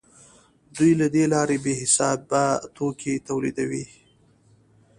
دوی له دې لارې بې حسابه توکي تولیدوي